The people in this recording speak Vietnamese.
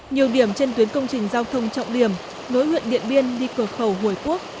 nhiều điểm trên tuyến công trình giao thông trọng điểm nối huyện điện biên đi cửa khẩu hồi quốc